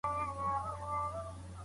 په لاس لیکل د منفي انرژی د وتلو لاره ده.